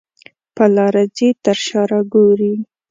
په لاره ځې تر شا را ګورې.